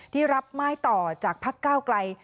ที่รับไม้ต่อจากพักก้าวไกล